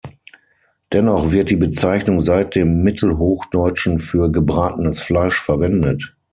Dennoch wird die Bezeichnung seit dem Mittelhochdeutschen für „gebratenes Fleisch“ verwendet.